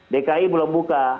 dki belum buka